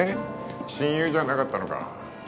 親友じゃなかったのか？